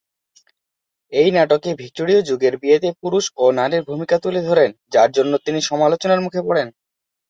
এই নাটকে ভিক্টোরীয় যুগের বিয়েতে পুরুষ ও নারীর ভূমিকা তুলে ধরেন, যার জন্য তিনি সমালোচনার মুখে পড়েন।